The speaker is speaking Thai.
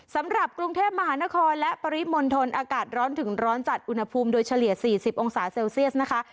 สำหรับกรุงเทพมหานครและปริมณฑลอากาศร้อนถึงร้อนจัดอุณหภูมิโดยเฉลี่ย๔๐องศาเซลเซียสนะคะ